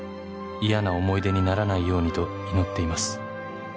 「嫌な想い出にならないようにと祈っています」